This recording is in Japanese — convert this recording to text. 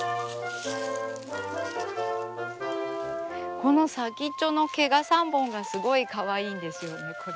この先っちょの毛が３本がすごいかわいいんですよねこれ。